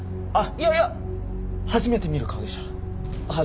いやいや初めて見る顔でした。